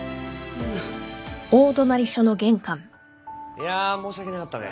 いや申し訳なかったね。